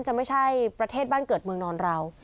จะไม่ใช่ประเทศบ้านเกิดเมืองนอนเรา